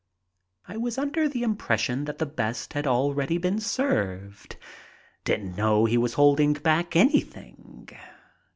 I was under the im pression that the best had already been served. Didn't know he was holding back anything.